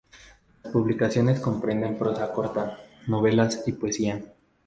Las publicaciones comprenden prosa corta, novelas y poesía.